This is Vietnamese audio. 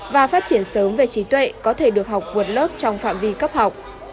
và phát triển sớm về trí tuệ có thể được học vượt lớp trong phạm vi cấp học